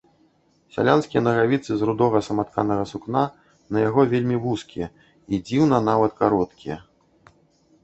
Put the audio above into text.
Сялянскія нагавіцы з рудога саматканага сукна, на яго вельмі вузкія і, дзіўна, нават кароткія.